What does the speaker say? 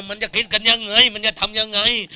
มันจะคิดกันยังไงมันจะทำยังไง